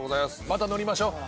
また乗りましょう。